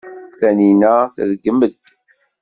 Taninna tṛeggem-d.